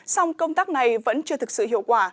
sau công tác này vẫn chưa thực sự có hiệu quả